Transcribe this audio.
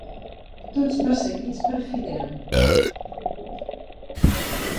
Tots perseguits per Fidel.